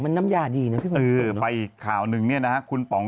มันน้ำยาดีนะพี่เบิร์ดเออไปอีกข่าวหนึ่งเนี่ยนะฮะคุณป๋อง